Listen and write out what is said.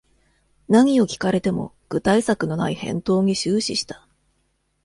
何を聞かれても具体策のない返答に終始した